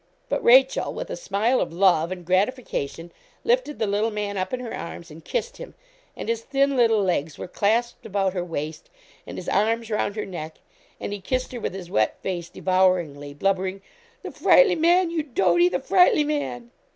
But Rachel, with a smile of love and gratification, lifted the little man up in her arms, and kissed him; and his thin, little legs were clasped about her waist, and his arms round her neck, and he kissed her with his wet face, devouringly, blubbering 'the frightle man you doatie! the frightle man!'